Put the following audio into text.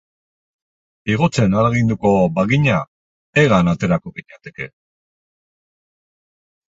Igotzen ahaleginduko bagina hegan aterako ginateke.